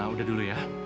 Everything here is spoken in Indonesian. udah dulu ya